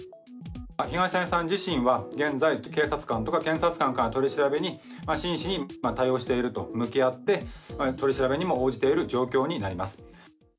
東谷さん自身は、現在、警察官とか検察官からの取り調べに、真摯に対応していると、向き合って、取り調べにも応じている状況になります。